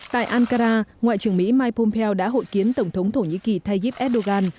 tại ankara ngoại trưởng mỹ mike pompeo đã hội kiến tổng thống thổ nhĩ kỳ tayyip erdogan